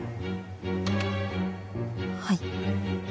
はい。